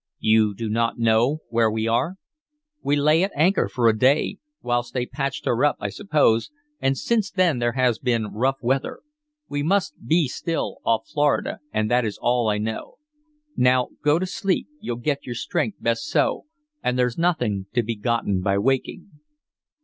"You do not know where we are?" "We lay at anchor for a day, whilst they patched her up, I suppose, and since then there has been rough weather. We must be still off Florida, and that is all I know. Now go to sleep. You'll get your strength best so, and there's nothing to be gotten by waking."